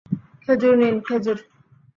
খেজুর নিন খেজুর!